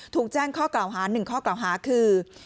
ถูกแจ้งข้อกล่าวหา๑คือ